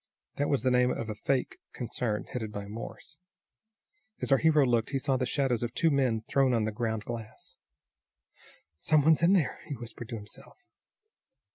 That was the name of a fake concern headed by Morse. As our hero looked he saw the shadows of two men thrown on the ground glass. "Some one's in there!" he whispered to himself.